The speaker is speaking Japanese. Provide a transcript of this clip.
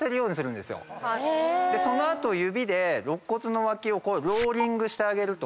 その後指で肋骨の脇をローリングしてあげると。